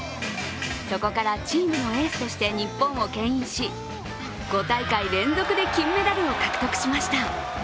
そこからチームのエースとして日本をけん引し５大会連続で金メダルを獲得しました。